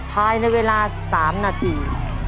ภายในเวลา๓นาที